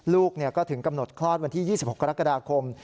ลูกก็ถึงกำหนดคลอดวันที่๒๖กรกฎาคม